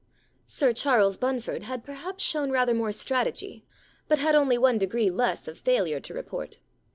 * Sir Charles Bunford had perhaps shown rather more strategy, but had only one degree less of failure to report.